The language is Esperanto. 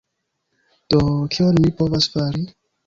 Do... kion mi povas fari?